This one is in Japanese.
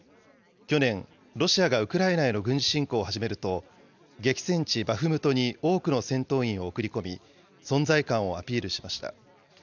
去年、ロシアがウクライナへの軍事侵攻を始めると、激戦地バフムトに多くの戦闘員を送り込み、存在感をアピールしました。